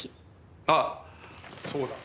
ああそうだ。